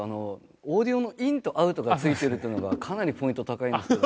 オーディオのインとアウトが付いてるっていうのがかなりポイント高いんですけど。